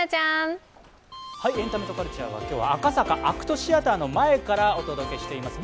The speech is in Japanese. エンタメとカルチャーは今日は赤坂ＡＣＴシアターの前からお届けします。